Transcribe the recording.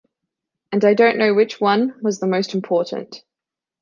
And I don't know which one was the most important.